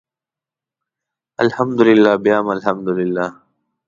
الحمدلله بیا هم الحمدلله.